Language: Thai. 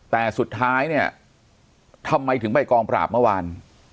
แต่สุดท้ายเนี่ยทำไมถึงไปกองปราบเมื่อวาน